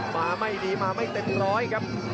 มาไม่ดีมาไม่เต็มร้อยครับ